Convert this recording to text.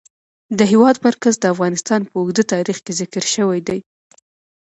د هېواد مرکز د افغانستان په اوږده تاریخ کې ذکر شوی دی.